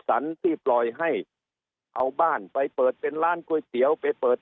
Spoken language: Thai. สรรที่ปล่อยให้เอาบ้านไปเปิดเป็นร้านก๋วยเตี๋ยวไปเปิด